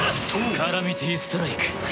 カラミティ・ストライク。